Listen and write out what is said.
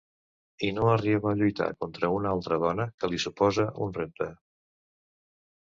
I no arriba a lluitar contra una altra dona que li supose un repte.